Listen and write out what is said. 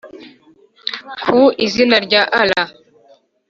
ku izina rya allah